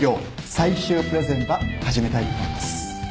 最終プレゼンば始めたいと思います。